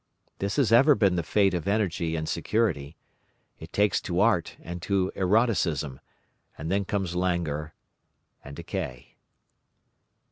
This has ever been the fate of energy in security; it takes to art and to eroticism, and then come languor and decay.